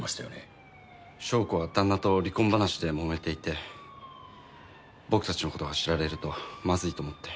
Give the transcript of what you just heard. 祥子は旦那と離婚話でもめていて僕たちの事が知られるとまずいと思って。